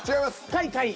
カイカイ。